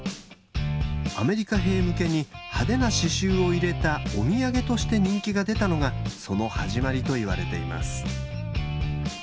アメリカ兵向けに派手な刺しゅうを入れたお土産として人気が出たのがその始まりといわれています。